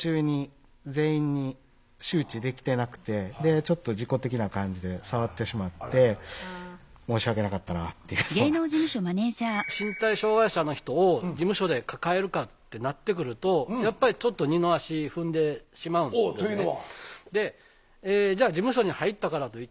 ちょっと事故的な感じで身体障害者の人を事務所で抱えるかってなってくるとやっぱりちょっと二の足踏んでしまうんですね。というのは？